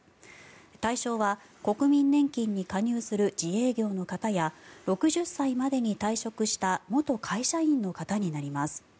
対象は国民年金に加入する自営業の方や６０歳までに退職した元会社員の方になります。